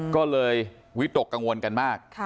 ก็เลยวิตกกังวลกันมาก